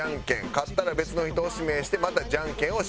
勝ったら別の人を指名してまたジャンケンをします。